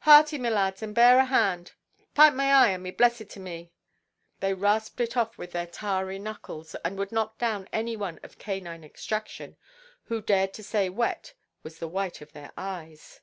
"Hearty, my lads, and bear a hand." "Pipe my eye, and be blessed to me!" They rasped it off with their tarry knuckles, and would knock down any one of canine extraction, who dared to say wet was the white of their eyes.